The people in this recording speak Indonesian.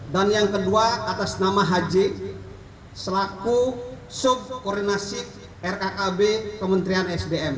dan yang kedua atas nama rj selaku subkoordinasi rkkb kementerian sdm